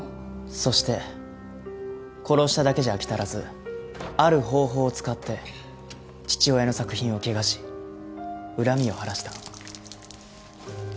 そして殺しただけじゃ飽き足らずある方法を使って父親の作品を汚し恨みを晴らした。